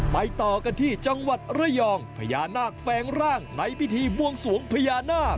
ไปต่อกันที่จังหวัดระยองพญานาคแฟงร่างในพิธีบวงสวงพญานาค